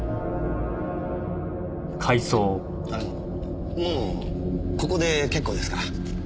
あのもうここで結構ですから。